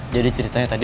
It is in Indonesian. jadi ceritanya tadi